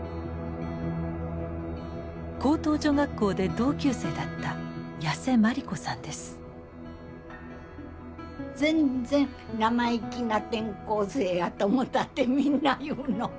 高等女学校で同級生だった全然生意気な転校生やと思ったってみんな言うの。